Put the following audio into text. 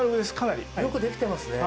よくできていますね。